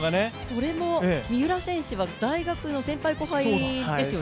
それも三浦選手は大学の先輩・後輩ですよね。